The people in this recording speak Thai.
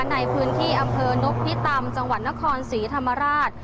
ในพื้นที่อำเภอนพิตำจังหวัดนครศรีธรรมราช